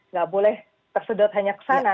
nggak boleh tersedot hanya ke sana